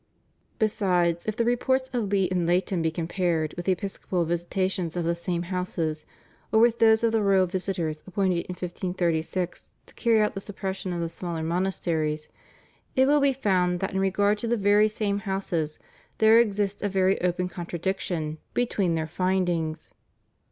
Besides, if the reports of Leigh and Leyton be compared with the episcopal visitations of the same houses or with those of the royal visitors appointed in 1536 to carry out the suppression of the smaller monasteries, it will be found that in regard to the very same houses there exists a very open contradiction between their findings.